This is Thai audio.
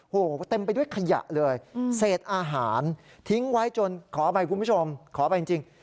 โอ้โหเต็มไปด้วยขยะเลยเศษอาหารทิ้งไว้จนขออภัยคุณผู้ชมขออภัยจริง